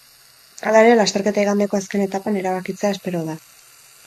Hala ere, lasterketa igandeko azken etapan erabakitzea espero da.